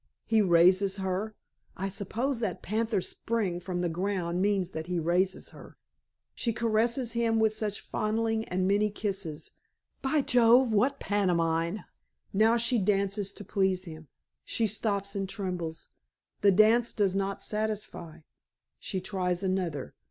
He raises her I suppose that panther spring from the ground means that he raises her. She caresses him with much fondling and many kisses. By Jove, what pantomime! Now she dances to please him. She stops and trembles; the dance does not satisfy. She tries another.